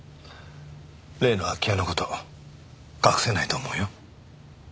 例の空き家の事隠せないと思うよ。